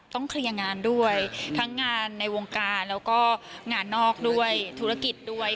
เคลียร์งานด้วยทั้งงานในวงการแล้วก็งานนอกด้วยธุรกิจด้วย